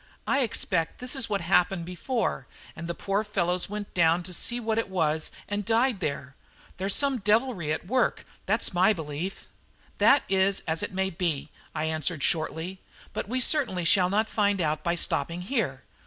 I expect this is what happened before, and the poor fellows went down to see what it was and died there. There's some devilry at work, that's my belief." "That is as it may be," I answered shortly; "but we certainly shall not find out by stopping here.